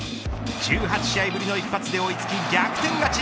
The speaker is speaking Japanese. １８試合ぶりの一発で追いつき逆転勝ち。